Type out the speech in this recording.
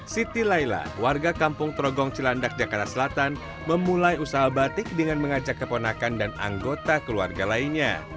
siti laila warga kampung trogong cilandak jakarta selatan memulai usaha batik dengan mengajak keponakan dan anggota keluarga lainnya